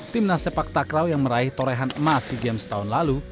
timnas sepak takraw yang meraih torehan emas sea games tahun lalu